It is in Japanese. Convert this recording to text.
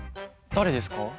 誰ですか？